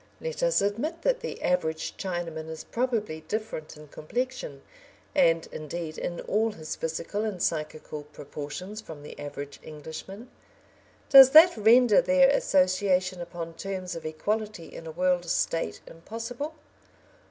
Let us admit that the average Chinaman is probably different in complexion, and, indeed, in all his physical and psychical proportions, from the average Englishman. Does that render their association upon terms of equality in a World State impossible?